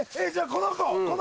この子！